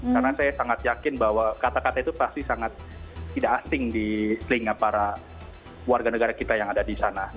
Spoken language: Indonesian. karena saya sangat yakin bahwa kata kata itu pasti sangat tidak asing di selingap para warga negara kita yang ada di sana